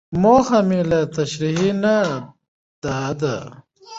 موخه مې له تشريحي نه دا ده.